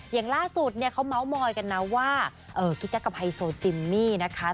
อย่างล่าสุดเนี่ยเขาเมาส์มอยกันนะว่ากิ๊กกับไฮโซจิมมี่นะคะ